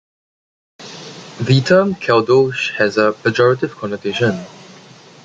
The term "caldoche" has a pejorative connotation.